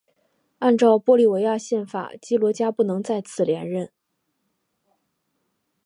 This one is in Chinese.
按照玻利维亚宪法基罗加不能再次连任。